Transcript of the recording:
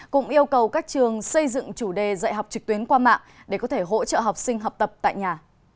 cũng yêu cầu các trường xây dựng chủ đề dạy học trực tuyến qua mạng để có thể hỗ trợ học sinh học tập tại nhà